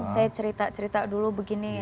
saya cerita cerita dulu begini